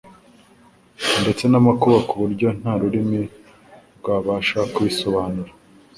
ndetse n'amakuba ku buryo nta rurimi rwabasha kubisobanura.